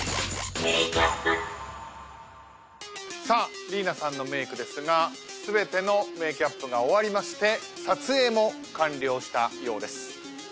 さありいなさんのメークですが全てのメーキャップが終わりまして撮影も完了したようです。